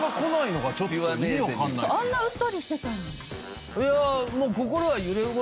あんなうっとりしてたのに。